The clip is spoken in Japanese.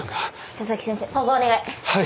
佐々木先生縫合お願い。